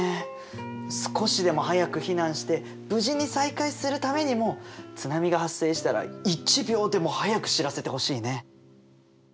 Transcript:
少しでも早く避難して無事に再会するためにも津波が発生したら一秒でも早く知らせてほしいね。